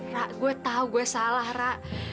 ra gue tau gue salah ra